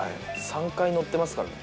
３回乗ってますからね。